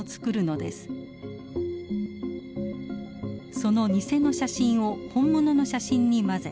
その偽の写真を本物の写真に交ぜ